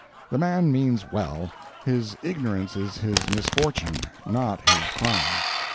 The man means well; his ignorance is his misfortune—not his crime.